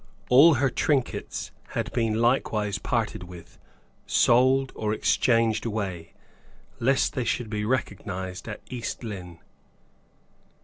All her trinkets had been likewise parted with, sold or exchanged away, lest they should be recognized at East Lynne.